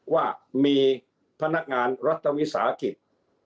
ว่ามีพนักงานรัฐวิสาหกิจ